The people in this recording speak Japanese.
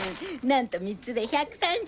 なんと３つで１３０円！